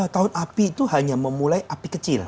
tahun api itu hanya memulai api kecil